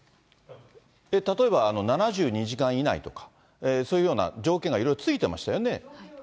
例えば７２時間以内とか、そういうような条件がいろいろ付いてましたよね。